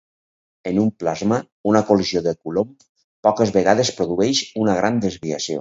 En un plasma, una col·lisió de Coulomb poques vegades produeix una gran desviació.